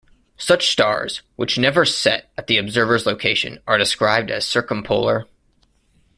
Such stars, which never set at the observer's location, are described as circumpolar.